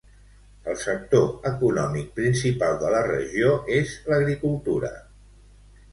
El sector econòmic principal de la regió és l'agricultura.